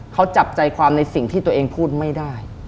เขาจับใจความในสิ่งที่ตัวเองพูดไม่ได้